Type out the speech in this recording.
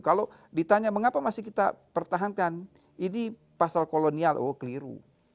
kalau ditanya mengapa masih kita pertahankan ini pasal kolonial oh keliru